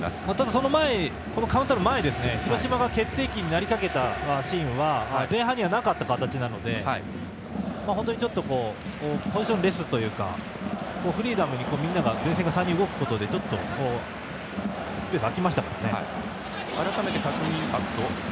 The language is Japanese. そのカウンターの前に広島が決定機になりかけたのは前半にはなかったシーンなので本当にポジションレスというかフリーダムにみんなが前線３人が動くことでスペースが空きましたからね。